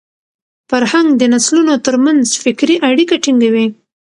فرهنګ د نسلونو تر منځ فکري اړیکه ټینګوي.